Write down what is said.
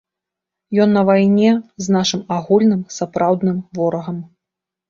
Ён на вайне з нашым агульным сапраўдным ворагам.